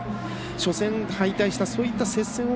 初戦敗退したそういった接戦を